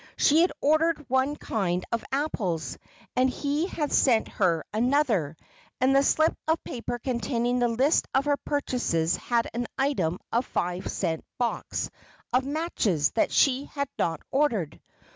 She had ordered one kind of apples, and he had sent her another, and the slip of paper containing the list of her purchases had an item of a five cent box of matches that she had not ordered.